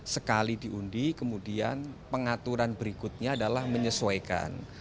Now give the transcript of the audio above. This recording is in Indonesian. sekali diundi kemudian pengaturan berikutnya adalah menyesuaikan